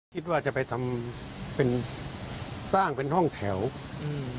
คิดว่าจะไปทำเป็นสร้างเป็นห้องแถวอืม